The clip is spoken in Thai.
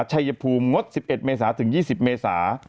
ชัยภูมิงด๑๑เมษาถึง๒๐เมษา